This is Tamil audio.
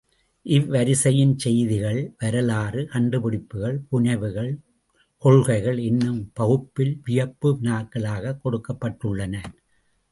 இவ்வரிசையின் செய்திகள் வரலாறு, கண்டுபிடிப்புகள், புனைவுகள், கொள்கைகள் என்னும் பகுப்பில் வியப்பு வினாக்களாகக் கொடுக்கப்பட்டுள்ளன.